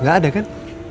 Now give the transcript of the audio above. gak ada kan